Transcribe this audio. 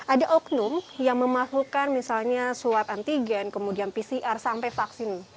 ada umkn rumah makan padang yang memasukkan misalnya suap antigen kemudian pcr sampai vaksin